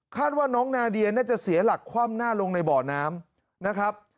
ว่าน้องนาเดียน่าจะเสียหลักคว่ำหน้าลงในบ่อน้ำนะครับ